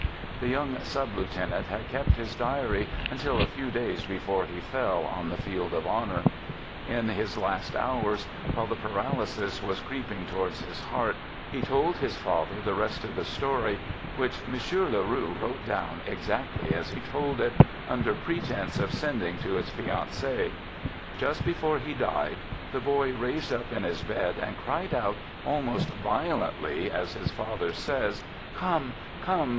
The young sub lieutenant had kept his diary until a few days before he fell on the field of honor. In 12 Digitized by THE GOOD SOLDIER" 13 his last hours, while the paralysis was creeping to wards his heart, he told his father the rest of the story, which M. Le Roux wrote down exactly as he told it, under pretence of sending to his fiancee. Just before he died, the boy raised up in his bed and cried out, almost violently, as his father says, " Come, come!